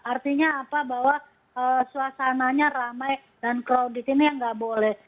artinya apa bahwa suasananya ramai dan crowded ini yang nggak boleh